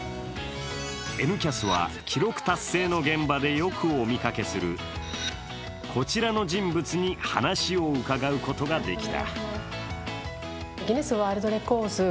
「Ｎキャス」は記録達成の現場でよくお見かけするこちらの人物に話を伺うことができた。